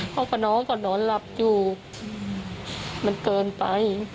เขาก็น้องเขานอนหลับอยู่มันเกินไป